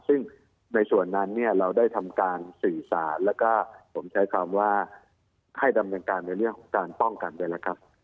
ซึ่งในส่วนนั้นเนี่ยเราได้ทำการสื่อสารแล้วก็ผมใช้คำว่าให้ดำเนินการในเรื่องของการป้องกันด้วยนะครับ